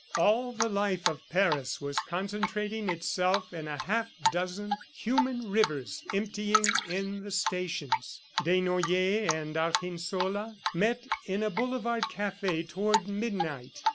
All the life of Paris was concentrating itself in a half dozen human rivers emptying in the stations. Desnoyers and Argensola met in a boulevard cafe toward midnight.